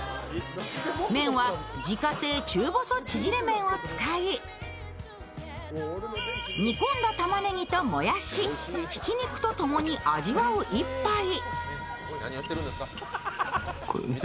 麺は自家製中細ちぢれ麺を使い、煮込んだたまねぎともやし、ひき肉と共に味わう１杯。